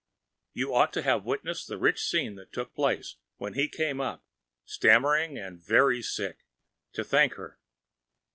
You ought to have witnessed the rich scene that took place when he came up, stammering and very sick, to thank her!